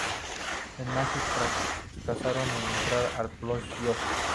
Los Magic fracasaron en entrar en playoffs.